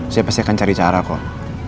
saya pasti akan cari cara kok